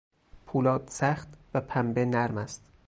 پولاد سخت و پنبه نرم است.